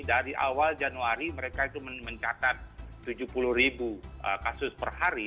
dari awal januari mereka itu mencatat tujuh puluh ribu kasus per hari